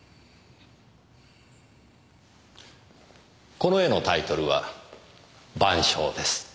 この絵のタイトルは『晩鐘』です。